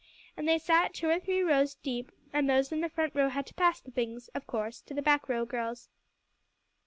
And they sat two or three rows deep; and those in the front row had to pass the things, of course, to the back row girls.